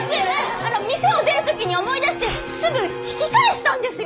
店を出る時に思い出してすぐ引き返したんですよ。